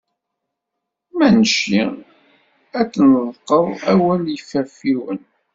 Manci ad tneḍqed awen wiwal?